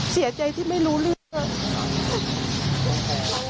เสียใจที่ไม่รู้เรื่อง